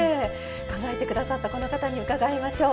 考えて下さったこの方に伺いましょう。